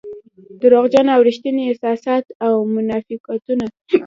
دروغجن او رښتيني احساسات او منافقتونه.